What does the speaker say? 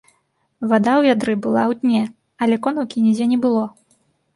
Вада ў вядры была ў дне, але конаўкі нідзе не было.